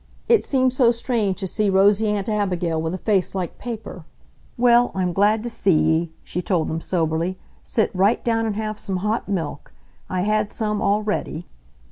It seemed so strange to see rosy Aunt Abigail with a face like paper. "Well, I'm glad to see ye," she told them soberly. "Sit right down and have some hot milk. I had some all ready."